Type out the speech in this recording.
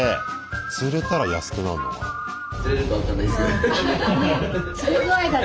釣れたら安くなんのかな？